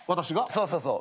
そうそうそう。